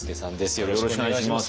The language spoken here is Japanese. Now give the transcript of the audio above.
よろしくお願いします。